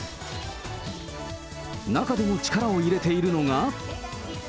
中でも力を入れているのが。